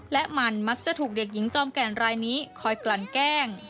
และมันมักจะถูกเด็กหญิงจอมแก่นรายนี้คอยกลั่นแกล้ง